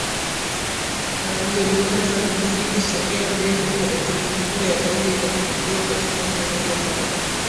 na Wajerumani walizidi kusogea mbele Serikali mpya ya bunge ikapinduliwa katika mwezi wa kumi